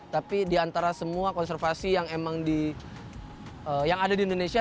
tapi di antara semua konservasi yang ada di indonesia